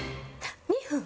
２分。